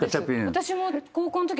私も。